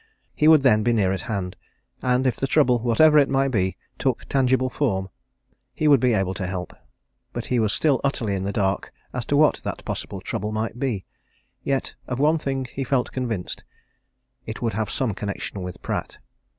He would then be near at hand and if the trouble, whatever it might be, took tangible form, he would be able to help. But he was still utterly in the dark as to what that possible trouble might be yet, of one thing he felt convinced it would have some connection with Pratt.